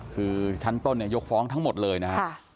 คือชั้นต้นยกฟ้องทั้งหมดเลยนะครับ